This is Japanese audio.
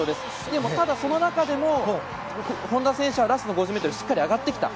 でも、ただその中でも本多選手はラストの５０ｍでしっかり上がってきた。